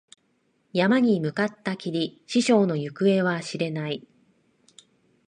山に向かったきり、師匠の行方は知れない。